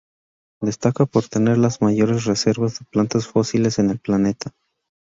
Destaca por tener las mayores reservas de plantas fósiles en el planeta.